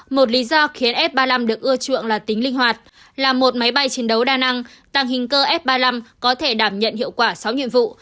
một lý do khiến f ba mươi năm được ưa chuộng là tính linh hoạt là một máy bay chiến đấu đa năng tăng hình cơ f ba mươi năm có thể đảm nhận hiệu quả sáu nhiệm vụ